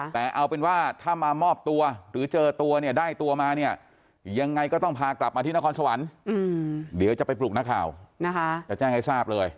แต่เอาเป็นว่าถ้ามามอบตัวหรือเจอตัวเนี่ยได้ตัวมาเนี่ยยังไงก็ต้องพากลับมาที่นครสวรรค์เดี๋ยวจะไปปลุกนักข่าวนะคะจะแจ้งให้ทราบเลย